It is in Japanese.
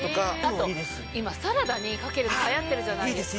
今サラダにかけるの流行ってるじゃないですか。